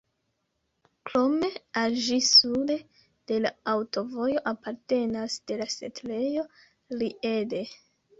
Krome al ĝi sude de la aŭtovojo apartenas la setlejo Ried.